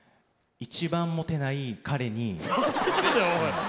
一番モテない彼に。